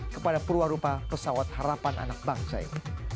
kepada perwarupa pesawat harapan anak bangsa ini